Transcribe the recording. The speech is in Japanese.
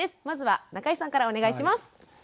まずは中井さんからお願いします。